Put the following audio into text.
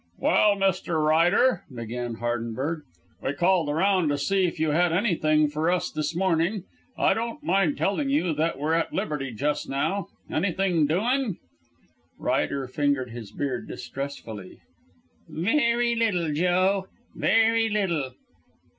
"Well, Mr. Ryder," began Hardenberg. "We called around to see if you had anything fer us this morning. I don't mind telling you that we're at liberty jus' now. Anything doing?" Ryder fingered his beard distressfully. "Very little, Joe; very little."